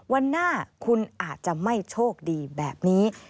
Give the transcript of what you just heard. วันหน้าคุณอาจจะไม่โชคดีแบบนี้